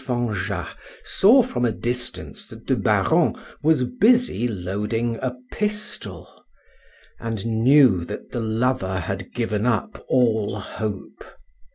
Fanjat saw from a distance that the Baron was busy loading a pistol, and knew that the lover had given up all hope.